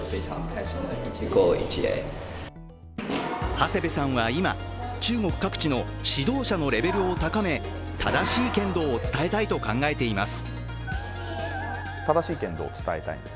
長谷部さんは今、中国各地の指導者のレベルを高め正しい剣道を伝えたいと考えています。